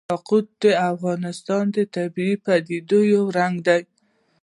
یاقوت د افغانستان د طبیعي پدیدو یو رنګ دی.